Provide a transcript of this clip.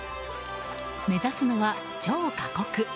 目指すのは超過酷。